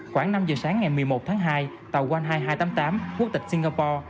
khoảng năm giờ sáng ngày một mươi một tháng hai tàu one high hai trăm tám mươi tám quốc tịch singapore